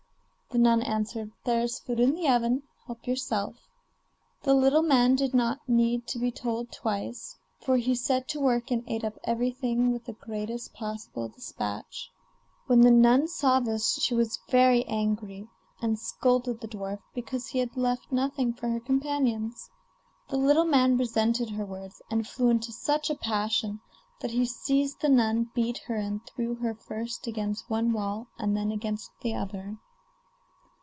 The nun answered: 'There is food in the oven, help yourself.' The little man did not need to be told twice, for he set to work and ate up everything with the greatest possible despatch. When the nun saw this she was very angry, and scolded the dwarf because he had left nothing for her companions. The little man resented her words, and flew into such a passion that he seized the nun, beat her, and threw her first against one wall and then against the other.